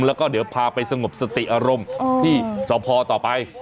แล้วก็เดี๋ยวพาไปสงบสติอารมณ์ที่สพต่อไป